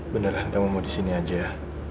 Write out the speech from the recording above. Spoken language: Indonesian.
beneran kamu mau di sini aja